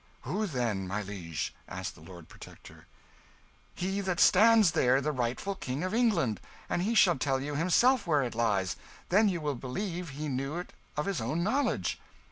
"Who, then, my liege?" asked the Lord Protector. "He that stands there the rightful King of England. And he shall tell you himself where it lies then you will believe he knew it of his own knowledge.